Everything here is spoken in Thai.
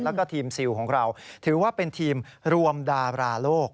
แล้วก็ทีมซิลของเราถือว่าเป็นทีมรวมดาราโลก